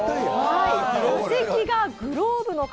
座席がグローブの形。